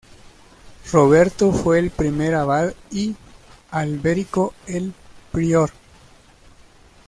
Roberto fue el primer abad, y Alberico el prior.